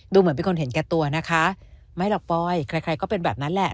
เหมือนเป็นคนเห็นแก่ตัวนะคะไม่หรอกปลอยใครใครก็เป็นแบบนั้นแหละ